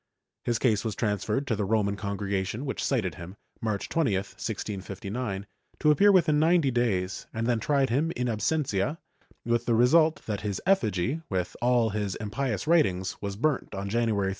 His case was transferred to the Roman Congregation, which cited him, March 20, 1659, to appear within ninety days and then tried him in absentia, with the result that his effigy, with all his impious writings, was burnt on January 3, 1661.